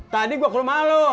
tadi gue ke rumah lu